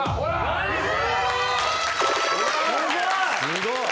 すごい！